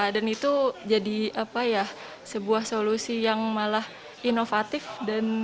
dan itu jadi sebuah solusi yang malah inovatif dan jadi efisien kerjanya